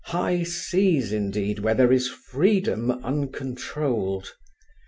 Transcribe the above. high seas indeed where there is freedom uncontrolled.